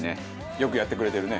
よくやってくれてるね。